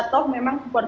toh memang supporter